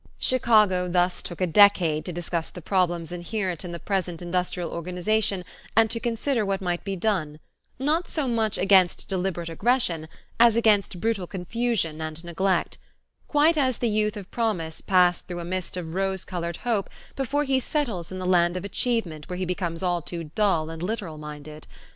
Chicago thus took a decade to discuss the problems inherent in the present industrial organization and to consider what might be done, not so much against deliberate aggression as against brutal confusion and neglect; quite as the youth of promise passed through a mist of rose colored hope before he settles in the land of achievement where he becomes all too dull and literal minded.